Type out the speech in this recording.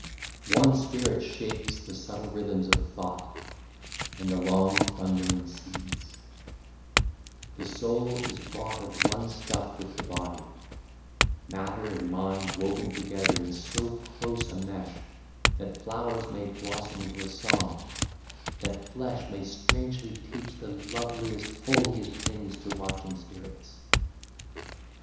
One spirit shapes the subtle rhythms of thought And the long thundering seas; the soul is wrought Of one stuff with the body matter and mind Woven together in so close a mesh That flowers may blossom into a song, that flesh May strangely teach the loveliest holiest things To watching spirits.